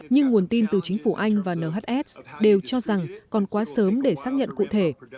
nhưng nguồn tin từ chính phủ anh và nhs đều cho rằng còn quá sớm để xác nhận cụ thể